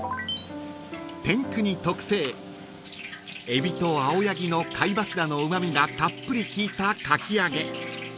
［天國特製海老とアオヤギの貝柱のうま味がたっぷり効いたかき揚げ］